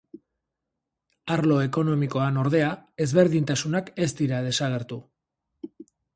Arlo ekonomikoan, ordea, ezberdintasunak ez dira desagertu.